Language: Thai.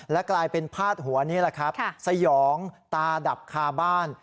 และกลายเป็นพาดหัวนี้สยองตาดับคาบ้าน